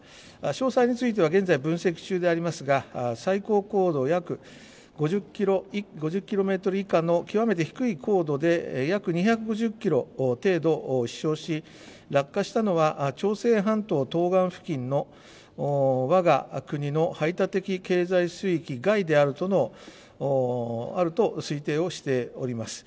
詳細については現在、分析中でありますが、最高高度約５０キロメートル以下の極めて低い高度で、約２５０キロ程度飛しょうし、落下したのは朝鮮半島東岸付近の、わが国の排他的経済水域外であると推定をしております。